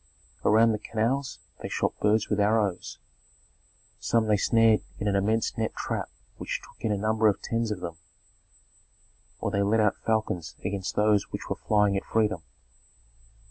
Around the canals they shot birds with arrows; some they snared in an immense net trap which took in a number of tens of them, or they let out falcons against those which were flying at freedom.